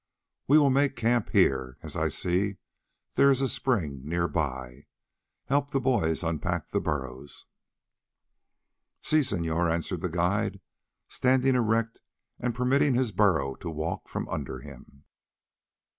We will make camp here, as I see there is a spring near by. Help the boys unpack the burros." "Si, señor," answered the guide, standing erect and permitting his burro to walk from under him.